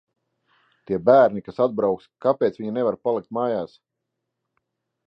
Tie bērni, kas atbrauks, kāpēc viņi nevar palikt mājās?